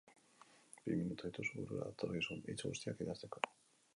Bi minutu dituzu burura datozkizun hitz guztiak idazteko.